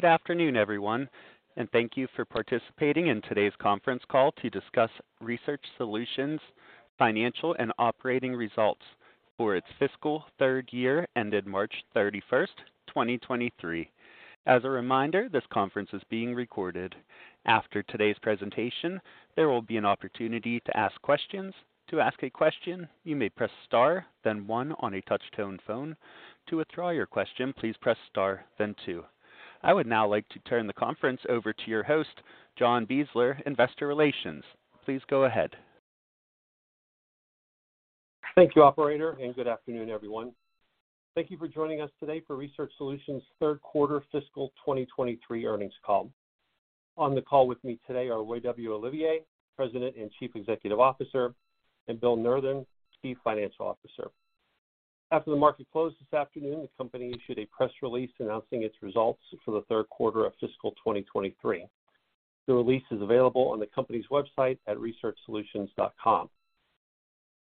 Good afternoon, everyone, and thank you for participating in today's conference call to discuss Research Solutions' financial and operating results for its fiscal third year ended March 31st, 2023. As a reminder, this conference is being recorded. After today's presentation, there will be an opportunity to ask questions. To ask a question, you may press star, then one on a touch-tone phone. To withdraw your question, please press star, then two. I would now like to turn the conference over to your host, John Beisler, Investor Relations, Three Part Advisors. Please go ahead. Thank you operator, and good afternoon, everyone. Thank you for joining us today for Research Solutions' Q3 fiscal 2023 earnings call. On the call with me today are Roy W. Olivier, President and Chief Executive Officer, and Bill Nurthen, Chief Financial Officer. After the market closed this afternoon, the company issued a press release announcing its results for the Q3 of fiscal 2023. The release is available on the company's website at researchsolutions.com.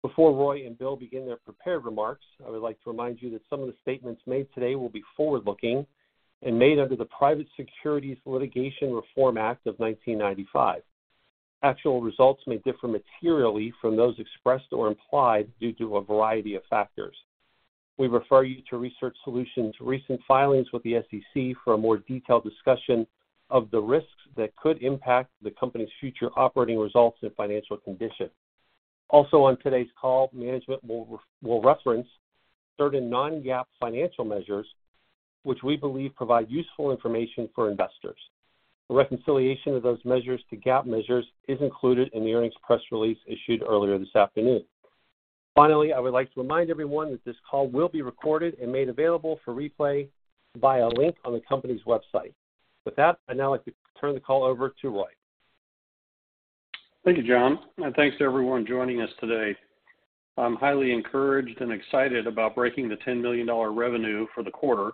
Before Roy and Bill begin their prepared remarks, I would like to remind you that some of the statements made today will be forward-looking and made under the Private Securities Litigation Reform Act of 1995. Actual results may differ materially from those expressed or implied due to a variety of factors. We refer you to Research Solutions' recent filings with the SEC for a more detailed discussion of the risks that could impact the company's future operating results and financial condition. Also on today's call, management will reference certain non-GAAP financial measures which we believe provide useful information for investors. A reconciliation of those measures to GAAP measures is included in the earnings press release issued earlier this afternoon. Finally, I would like to remind everyone that this call will be recorded and made available for replay via a link on the company's website. With that, I'd now like to turn the call over to Roy. Thank you, John, and thanks to everyone joining us today. I'm highly encouraged and excited about breaking the $10 million revenue for the quarter.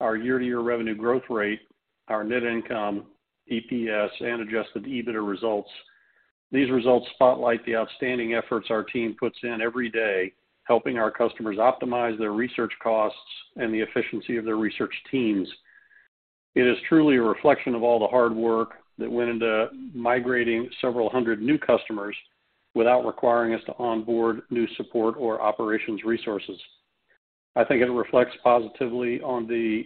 Our year-over-year revenue growth rate, our net income, EPS, and adjusted EBITDA results. These results spotlight the outstanding efforts our team puts in every day, helping our customers optimize their research costs and the efficiency of their research teams. It is truly a reflection of all the hard work that went into migrating several hundred new customers without requiring us to onboard new support or operations resources. I think it reflects positively on the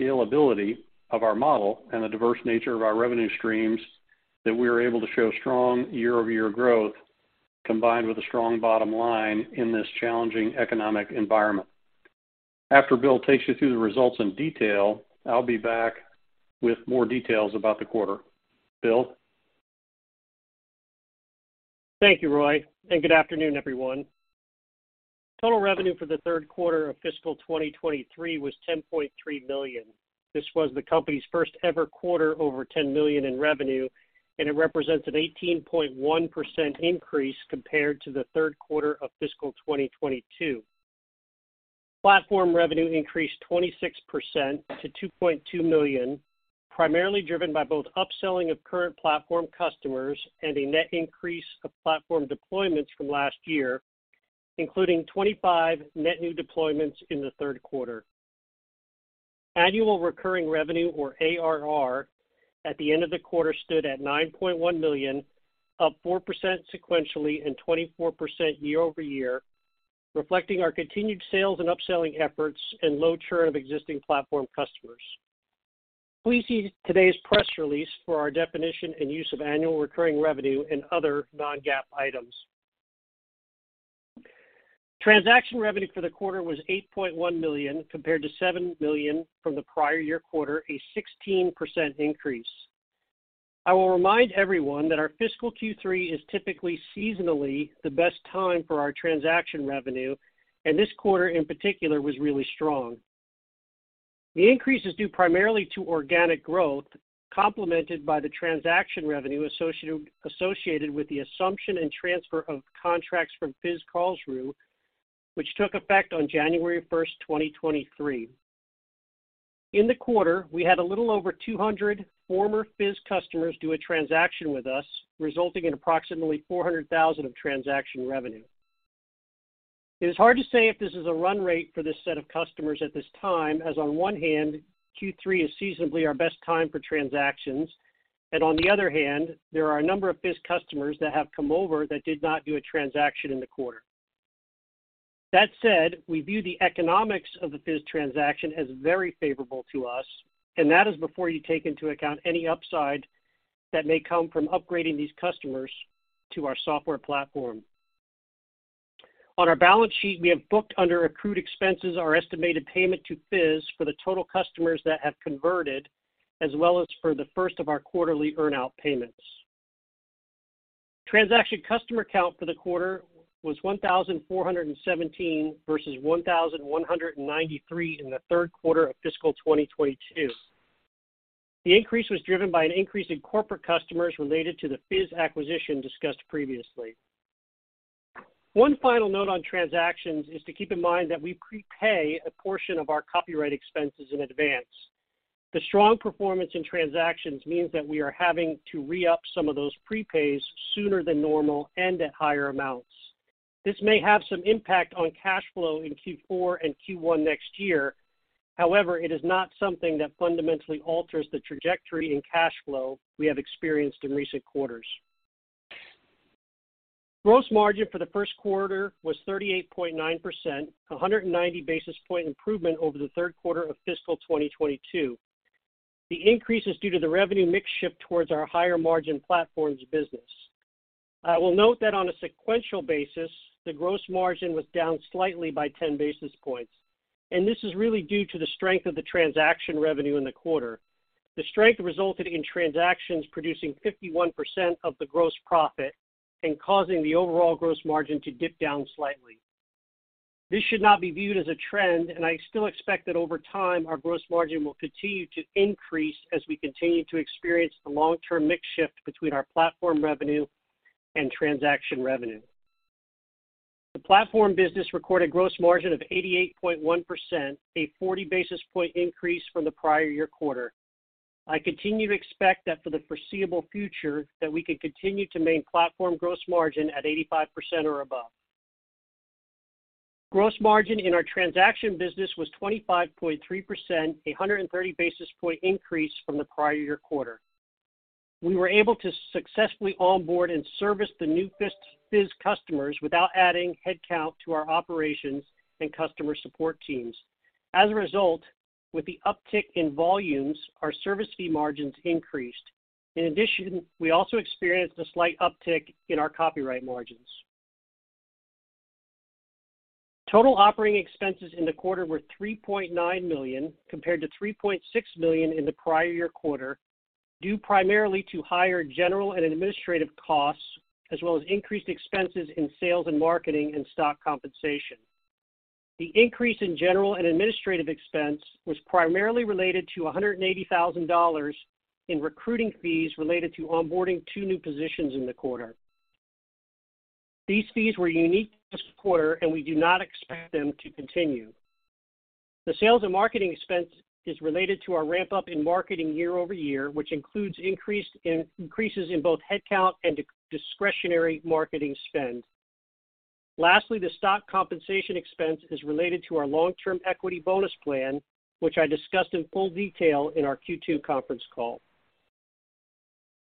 scalability of our model and the diverse nature of our revenue streams that we are able to show strong year-over-year growth combined with a strong bottom line in this challenging economic environment. After Bill takes you through the results in detail, I'll be back with more details about the quarter. Bill? Thank you, Roy. Good afternoon, everyone. Total revenue for the Q3 of fiscal 2023 was $10.3 million. This was the company's first ever quarter over $10 million in revenue, and it represents an 18.1% increase compared to the Q3 of fiscal 2022. Platform revenue increased 26% to $2.2 million, primarily driven by both upselling of current platform customers and a net increase of platform deployments from last year, including 25 net new deployments in the Q3. Annual recurring revenue or ARR at the end of the quarter stood at $9.1 million, up 4% sequentially and 24% year-over-year, reflecting our continued sales and upselling efforts and low churn of existing platform customers. Please see today's press release for our definition and use of annual recurring revenue and other non-GAAP items. Transaction revenue for the quarter was $8.1 million compared to $7 million from the prior year quarter, a 16% increase. I will remind everyone that our fiscal Q3 is typically seasonally the best time for our transaction revenue. This quarter in particular was really strong. The increase is due primarily to organic growth, complemented by the transaction revenue associated with the assumption and transfer of contracts from FIZ Karlsruhe, which took effect on January 1st, 2023. In the quarter, we had a little over 200 former FIZ customers do a transaction with us, resulting in approximately $400,000 of transaction revenue. It is hard to say if this is a run rate for this set of customers at this time, as on one hand, Q3 is seasonally our best time for transactions. On the other hand, there are a number of FIZ customers that have come over that did not do a transaction in the quarter. That said, we view the economics of the FIZ transaction as very favorable to us. That is before you take into account any upside that may come from upgrading these customers to our software platform. On our balance sheet, we have booked under accrued expenses our estimated payment to FIZ for the total customers that have converted, as well as for the first of our quarterly earn out payments. Transaction customer count for the quarter was 1,417 versus 1,193 in the Q3 of fiscal 2022. The increase was driven by an increase in corporate customers related to the FIZ acquisition discussed previously. One final note on transactions is to keep in mind that we prepay a portion of our copyright expenses in advance. The strong performance in transactions means that we are having to re-up some of those prepays sooner than normal and at higher amounts. This may have some impact on cash flow in Q4 and Q1 next year. It is not something that fundamentally alters the trajectory in cash flow we have experienced in recent quarters. Gross margin for the Q1 was 38.9%, 190 basis point improvement over the Q3 of fiscal 2022. The increase is due to the revenue mix shift towards our higher margin platforms business. I will note that on a sequential basis, the gross margin was down slightly by 10 basis points, and this is really due to the strength of the transaction revenue in the quarter. The strength resulted in transactions producing 51% of the gross profit and causing the overall gross margin to dip down slightly. This should not be viewed as a trend, and I still expect that over time, our gross margin will continue to increase as we continue to experience the long-term mix shift between our platform revenue and transaction revenue. The platform business recorded gross margin of 88.1%, a 40 basis point increase from the prior year quarter. I continue to expect that for the foreseeable future that we can continue to maintain platform gross margin at 85% or above. Gross margin in our transaction business was 25.3%, a 130 basis point increase from the prior year quarter. We were able to successfully onboard and service the new FIZ customers without adding headcount to our operations and customer support teams. As a result, with the uptick in volumes, our service fee margins increased. In addition, we also experienced a slight uptick in our copyright margins. Total operating expenses in the quarter were $3.9 million, compared to $3.6 million in the prior year quarter, due primarily to higher general and administrative costs, as well as increased expenses in sales and marketing and stock compensation. The increase in general and administrative expense was primarily related to $180,000 in recruiting fees related to onboarding two new positions in the quarter. These fees were unique to this quarter, and we do not expect them to continue. The sales and marketing expense is related to our ramp-up in marketing year-over-year, which includes increases in both headcount and discretionary marketing spend. Lastly, the stock compensation expense is related to our long-term equity bonus plan, which I discussed in full detail in our Q2 conference call.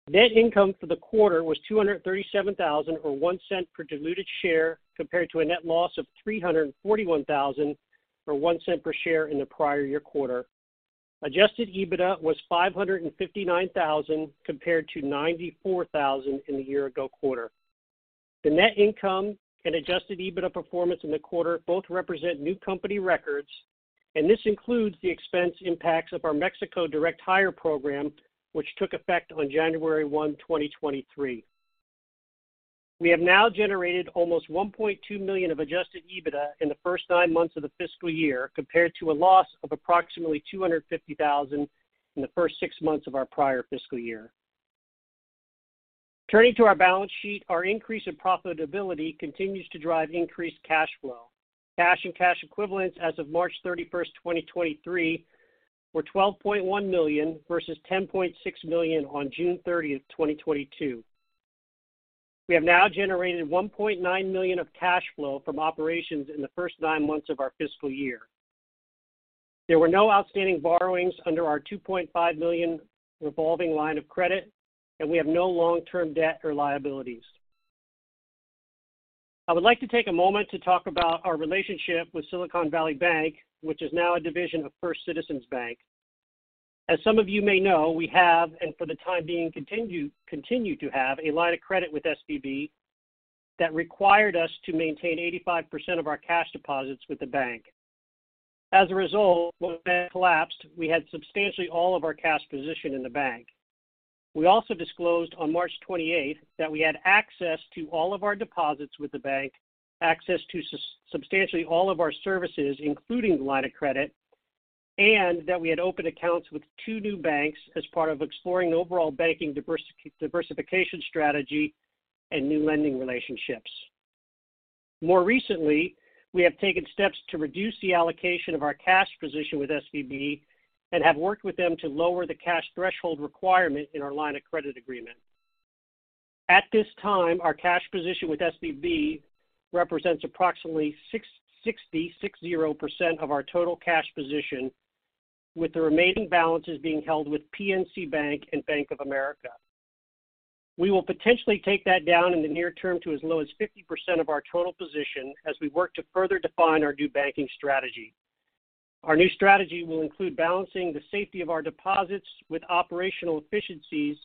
Net income for the quarter was $237,000 or $0.01 per diluted share, compared to a net loss of $341,000 or $0.01 per share in the prior year quarter. Adjusted EBITDA was $559,000 compared to $94,000 in the year ago quarter. The net income and adjusted EBITDA performance in the quarter both represent new company records, and this includes the expense impacts of our Mexico direct hire program, which took effect on January 1, 2023. We have now generated almost $1.2 million of adjusted EBITDA in the first nine months of the fiscal year, compared to a loss of approximately $250,000 in the first six months of our prior fiscal year. Turning to our balance sheet, our increase in profitability continues to drive increased cash flow. Cash and cash equivalents as of March 31st, 2023 were $12.1 million versus $10.6 million on June 30th, 2022. We have now generated $1.9 million of cash flow from operations in the first nine months of our fiscal year. There were no outstanding borrowings under our $2.5 million revolving line of credit, and we have no long-term debt or liabilities. I would like to take a moment to talk about our relationship with Silicon Valley Bank, which is now a division of First Citizens Bank. As some of you may know, we have, and for the time being continue to have a line of credit with SVB that required us to maintain 85% of our cash deposits with the bank. As a result, when the bank collapsed, we had substantially all of our cash position in the bank. We also disclosed on March 28th that we had access to all of our deposits with the bank, access to substantially all of our services, including the line of credit, and that we had opened accounts with two new banks as part of exploring the overall banking diversification strategy and new lending relationships. More recently, we have taken steps to reduce the allocation of our cash position with SVB and have worked with them to lower the cash threshold requirement in our line of credit agreement. At this time, our cash position with SVB represents approximately 60% of our total cash position, with the remaining balances being held with PNC Bank and Bank of America. We will potentially take that down in the near term to as low as 50% of our total position as we work to further define our new banking strategy. Our new strategy will include balancing the safety of our deposits with operational efficiencies,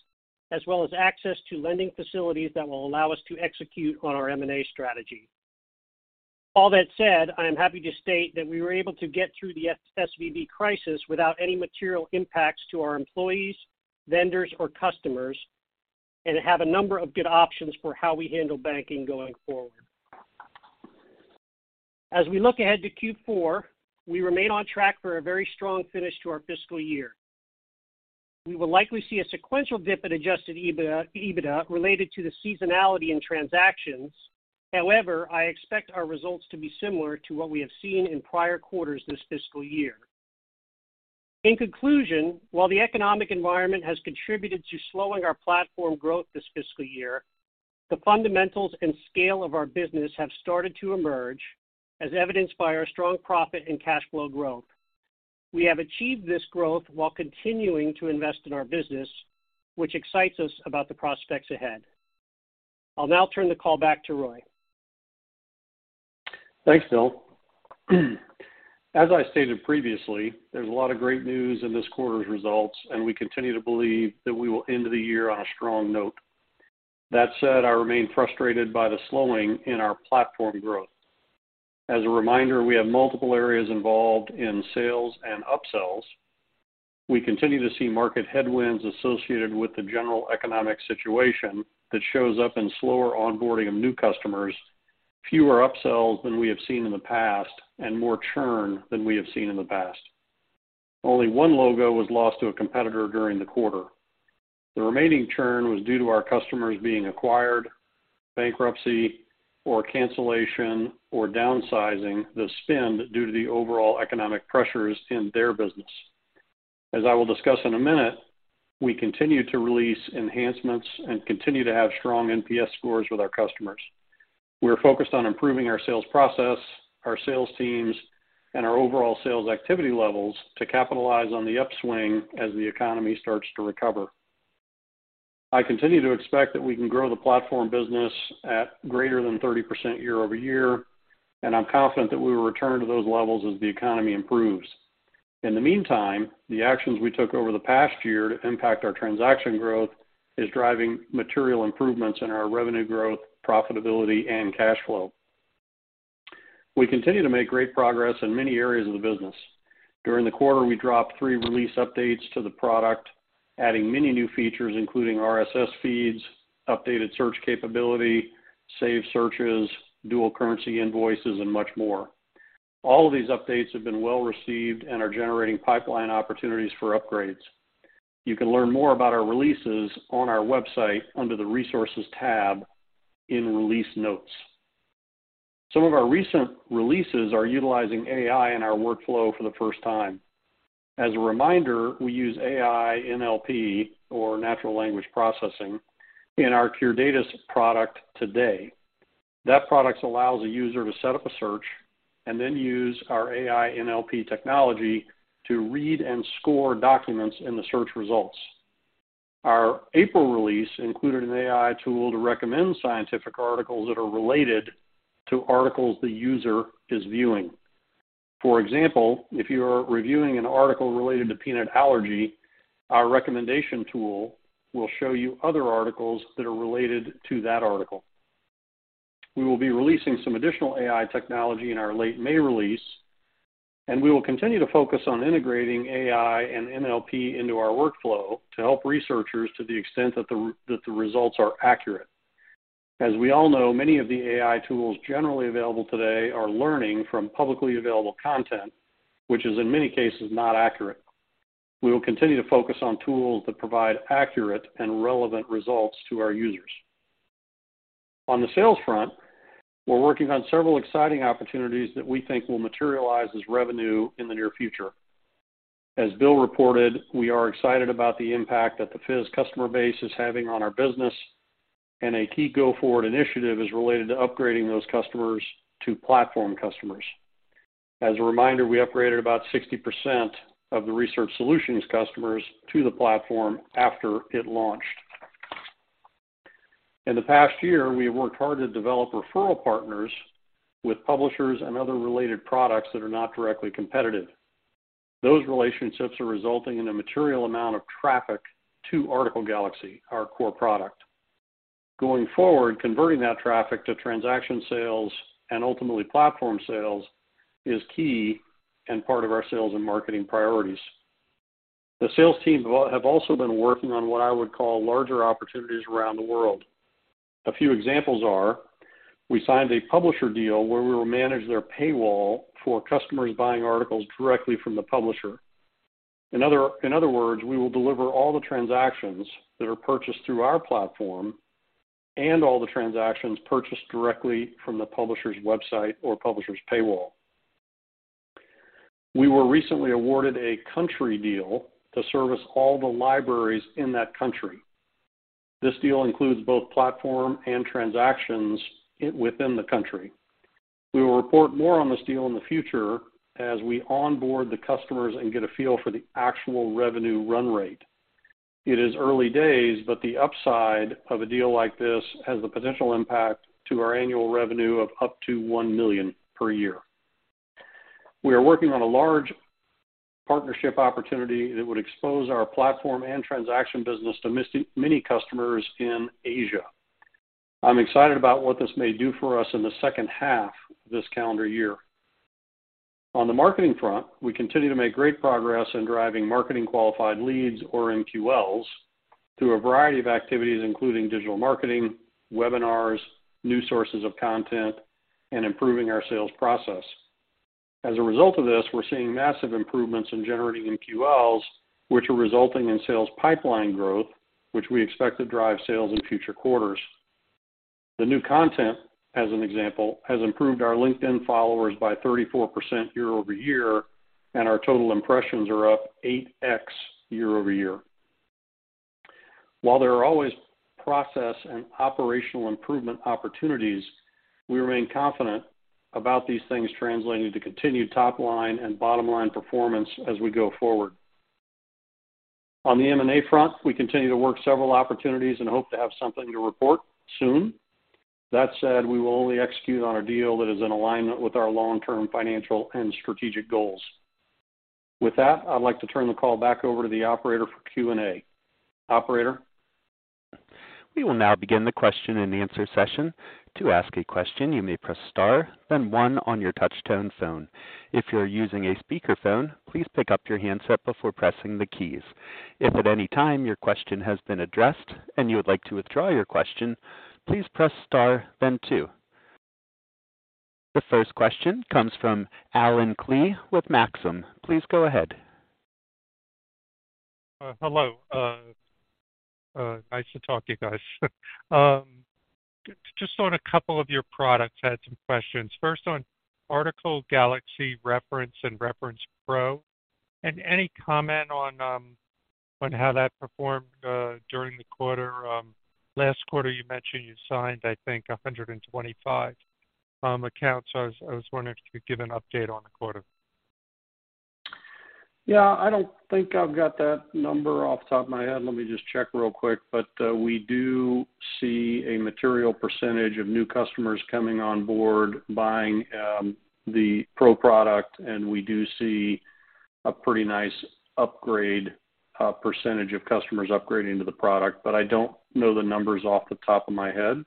as well as access to lending facilities that will allow us to execute on our M&A strategy. All that said, I am happy to state that we were able to get through the SVB crisis without any material impacts to our employees, vendors or customers, and have a number of good options for how we handle banking going forward. As we look ahead to Q4, we remain on track for a very strong finish to our fiscal year. We will likely see a sequential dip in adjusted EBITDA related to the seasonality in transactions. However, I expect our results to be similar to what we have seen in prior quarters this fiscal year. In conclusion, while the economic environment has contributed to slowing our platform growth this fiscal year, the fundamentals and scale of our business have started to emerge, as evidenced by our strong profit and cash flow growth. We have achieved this growth while continuing to invest in our business, which excites us about the prospects ahead. I'll now turn the call back to Roy. Thanks, Bill. As I stated previously, there's a lot of great news in this quarter's results, we continue to believe that we will end the year on a strong note. That said, I remain frustrated by the slowing in our platform growth. As a reminder, we have multiple areas involved in sales and upsells. We continue to see market headwinds associated with the general economic situation that shows up in slower onboarding of new customers, fewer upsells than we have seen in the past, and more churn than we have seen in the past. Only one logo was lost to a competitor during the quarter. The remaining churn was due to our customers being acquired, bankruptcy or cancellation or downsizing the spend due to the overall economic pressures in their business. As I will discuss in a minute, we continue to release enhancements and continue to have strong NPS scores with our customers. We're focused on improving our sales process, our sales teams, and our overall sales activity levels to capitalize on the upswing as the economy starts to recover. I continue to expect that we can grow the platform business at greater than 30% year-over-year. I'm confident that we will return to those levels as the economy improves. In the meantime, the actions we took over the past year to impact our transaction growth is driving material improvements in our revenue growth, profitability, and cash flow. We continue to make great progress in many areas of the business. During the quarter, we dropped three release updates to the product, adding many new features, including RSS feeds, updated search capability, saved searches, dual currency invoices, and much more. All of these updates have been well-received and are generating pipeline opportunities for upgrades. You can learn more about our releases on our website under the Resources tab in Release Notes. Some of our recent releases are utilizing AI in our workflow for the first time. As a reminder, we use AI NLP, or natural language processing, in our Pure Data product today. That product allows a user to set up a search and then use our AI NLP technology to read and score documents in the search results. Our April release included an AI tool to recommend scientific articles that are related to articles the user is viewing. For example, if you are reviewing an article related to peanut allergy, our recommendation tool will show you other articles that are related to that article. We will be releasing some additional AI technology in our late May release, and we will continue to focus on integrating AI and NLP into our workflow to help researchers to the extent that the results are accurate. As we all know, many of the AI tools generally available today are learning from publicly available content, which is in many cases, not accurate. We will continue to focus on tools that provide accurate and relevant results to our users. On the sales front, we're working on several exciting opportunities that we think will materialize as revenue in the near future. As Bill reported, we are excited about the impact that the FIZ customer base is having on our business. A key go-forward initiative is related to upgrading those customers to platform customers. As a reminder, we upgraded about 60% of the Research Solutions customers to the platform after it launched. In the past year, we have worked hard to develop referral partners with publishers and other related products that are not directly competitive. Those relationships are resulting in a material amount of traffic to Article Galaxy, our core product. Going forward, converting that traffic to transaction sales and ultimately platform sales is key and part of our sales and marketing priorities. The sales team have also been working on what I would call larger opportunities around the world. A few examples are, we signed a publisher deal where we will manage their paywall for customers buying articles directly from the publisher. In other words, we will deliver all the transactions that are purchased through our platform and all the transactions purchased directly from the publisher's website or publisher's paywall. We were recently awarded a country deal to service all the libraries in that country. This deal includes both platform and transactions within the country. We will report more on this deal in the future as we onboard the customers and get a feel for the actual revenue run rate. It is early days, but the upside of a deal like this has the potential impact to our annual revenue of up to $1 million per year. We are working on a large partnership opportunity that would expose our platform and transaction business to many customers in Asia. I'm excited about what this may do for us in the second half of this calendar year. On the marketing front, we continue to make great progress in driving marketing qualified leads or MQLs through a variety of activities, including digital marketing, webinars, new sources of content, and improving our sales process. As a result of this, we're seeing massive improvements in generating MQLs, which are resulting in sales pipeline growth, which we expect to drive sales in future quarters. The new content, as an example, has improved our LinkedIn followers by 34% year-over-year, and our total impressions are up 8x year-over-year. While there are always process and operational improvement opportunities, we remain confident about these things translating to continued top line and bottom line performance as we go forward. On the M&A front, we continue to work several opportunities and hope to have something to report soon. That said, we will only execute on a deal that is in alignment with our long-term financial and strategic goals. With that, I'd like to turn the call back over to the operator for Q&A. Operator? We will now begin the question-and-answer session. To ask a question, you may press star then one on your touch-tone phone. If you're using a speakerphone, please pick up your handset before pressing the keys. If at any time your question has been addressed and you would like to withdraw your question, please press star then two. The first question comes from Allen Klee with Maxim. Please go ahead. Hello. Nice to talk to you guys. Just on a couple of your products, I had some questions. First, on Article Galaxy References and Reference Pro. Any comment on how that performed during the quarter? Last quarter you mentioned you signed, I think, 125 accounts. I was wondering if you could give an update on the quarter. Yeah, I don't think I've got that number off the top of my head. Let me just check real quick. We do see a material percentage of new customers coming on board buying, the Pro product, and we do see a pretty nice upgrade, percentage of customers upgrading to the product, but I don't know the numbers off the top of my head.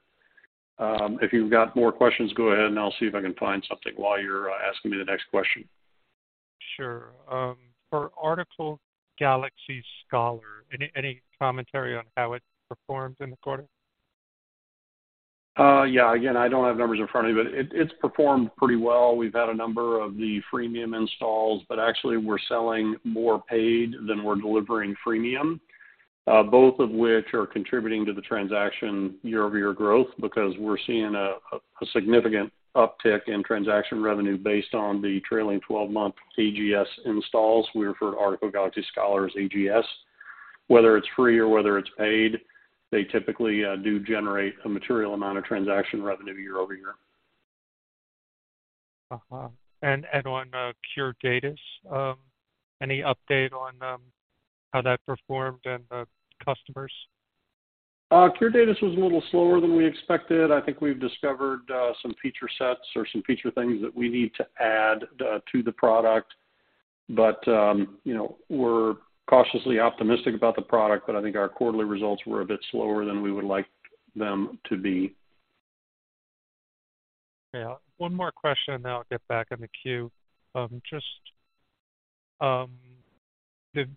If you've got more questions, go ahead and I'll see if I can find something while you're asking me the next question. Sure. For Article Galaxy Scholar, any commentary on how it performed in the quarter? Yeah. Again, I don't have numbers in front of me, but it's performed pretty well. We've had a number of the freemium installs, but actually we're selling more paid than we're delivering freemium, both of which are contributing to the transaction year-over-year growth because we're seeing a significant uptick in transaction revenue based on the trailing 12-month AGS installs. We refer to Article Galaxy Scholar's AGS. Whether it's free or whether it's paid, they typically do generate a material amount of transaction revenue year-over-year. On, Pure Data, any update on, how that performed and the customers? Pure Data was a little slower than we expected. I think we've discovered some feature sets or some feature things that we need to add to the product. You know, we're cautiously optimistic about the product, but I think our quarterly results were a bit slower than we would like them to be. Yeah. One more question, and then I'll get back in the queue. Just, your, could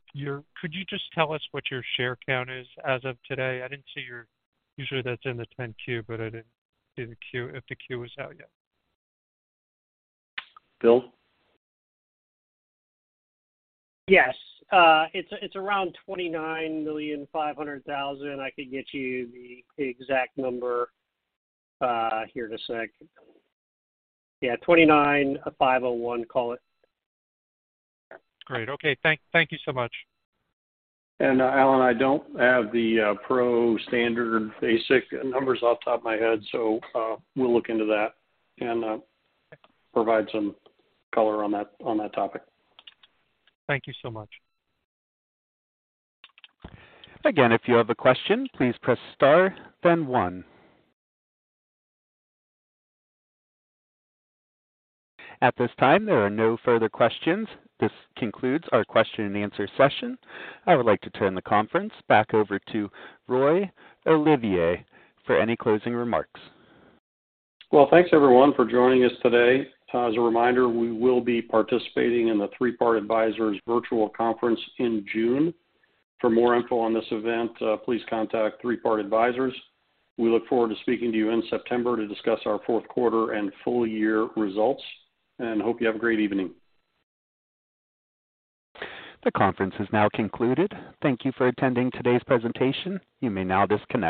you just tell us what your share count is as of today? I didn't see your... Usually that's in the 10-Q, but I didn't see the Q, if the Q was out yet. Bill? Yes. It's around $29.5 million. I could get you the exact number, here in a sec. Yeah, $29,501, call it. Great. Okay. Thank you so much. Allen, I don't have the pro standard basic numbers off the top of my head, so, we'll look into that and provide some color on that, on that topic. Thank you so much. Again, if you have a question, please press star then one. At this time, there are no further questions. This concludes our question-and-answer session. I would like to turn the conference back over to Roy Olivier for any closing remarks. Well, thanks everyone for joining us today. As a reminder, we will be participating in the Three Part Advisors virtual conference in June. For more info on this event, please contact Three Part Advisors. We look forward to speaking to you in September to discuss our Q4 and full year results, and hope you have a great evening. The conference is now concluded. Thank you for attending today's presentation. You may now disconnect.